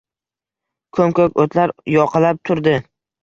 Ko‘m-ko‘k o‘tlar yoqalab yurdi.